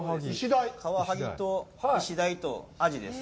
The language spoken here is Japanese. カワハギとイシダイとアジです。